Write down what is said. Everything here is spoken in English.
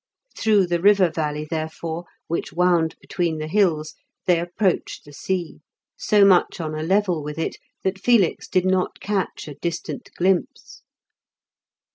Through the river valley, therefore, which wound between the hills, they approached the sea, so much on a level with it that Felix did not catch a distant glimpse.